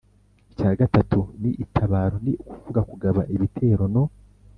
icya gatatu ni itabaro ni ukuvuga kugaba ibitero no